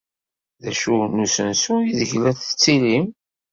D acu n usensu aydeg la tettilim?